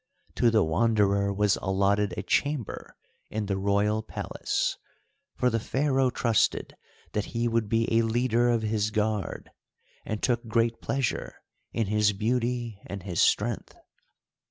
To the Wanderer was allotted a chamber in the Royal Palace, for the Pharaoh trusted that he would be a leader of his Guard, and took great pleasure in his beauty and his strength.